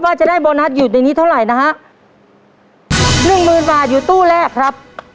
ว่าจะได้โบนัสอยู่ในนี้เท่าไหร่นะฮะหนึ่งหมื่นบาทอยู่ตู้แรกครับ